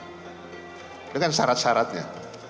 itu kan syarat syaratnya